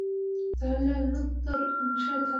তাহলে, উত্তর অংশে থাকা মানুষেরা?